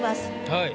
はい。